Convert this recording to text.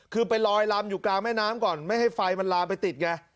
คือไปลอยลำอยู่กลางแม่น้ำก่อนไม่ให้ไฟมันลามไปติดไง